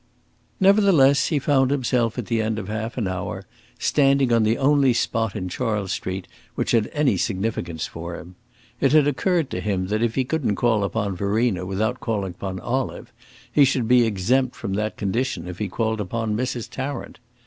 Nevertheless, he found himself, at the end of half an hour, standing on the only spot in Charles Street which had any significance for him. It had occurred to him that if he couldn't call upon Verena without calling upon Olive, he should be exempt from that condition if he called upon Mrs. Tarrant.